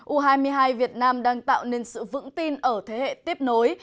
u hai mươi hai việt nam đang tạo nên sự vững tin ở thế hệ tiếp nối